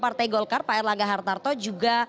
partai golkar pak erlangga hartarto juga